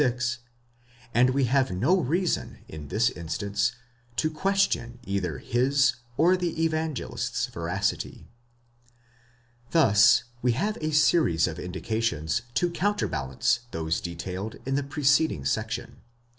36), and we have no reason in this instance to question either his or the Evangelist's veracity. Thus we have a series of indications to counterbalance those detailed in the preceding section.